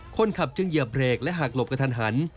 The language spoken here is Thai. คนขับจึงเหยียบเบรกและหากหลบกระทันหัน